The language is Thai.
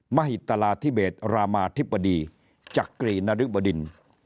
มหิตราธิเบศรามาธิบดีจักรีนริบดิน